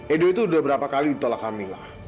edo itu udah berapa kali ditolak amila